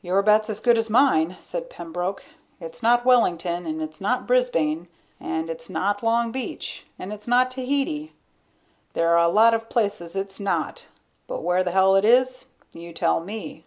"Your bet's as good as mine," said Pembroke. "It's not Wellington, and it's not Brisbane, and it's not Long Beach, and it's not Tahiti. There are a lot of places it's not. But where the hell it is, you tell me.